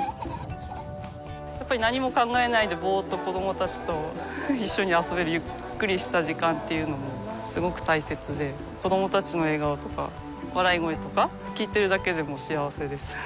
やっぱり何も考えないでボーッと子どもたちと一緒に遊べるゆっくりした時間っていうのもすごく大切で子どもたちの笑顔とか笑い声とか聞いてるだけでもう幸せです。